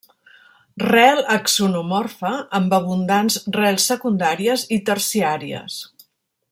Rel axonomorfa amb abundants rels secundàries i terciàries.